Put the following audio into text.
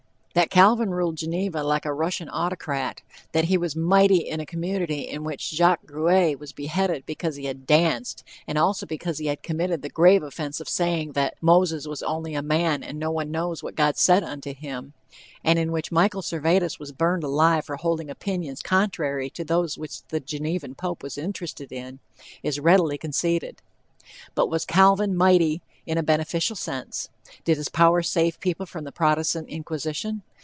That Calvin ruled Geneva like a Russian autocrat; that he was "mighty" in a community in which Jacques Gruet was beheaded because he had "danced," and also because he had committed the grave offense of saying that "Moses was only a man and no one knows what God said to him," and in which Michael Servetus was burned alive for holding opinions contrary to those which the Genevan pope was interested in, is readily conceded. But was Calvin "mighty" in a beneficent sense? Did his power save people from the Protestant inquisition?